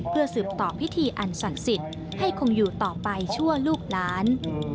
เพื่อสืบต่อพิธีอันศักดิ์สิทธิ์ให้คงอยู่ต่อไปชั่วลูกหลาน